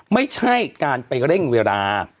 ไม่ใช่การไปเร่งเวลา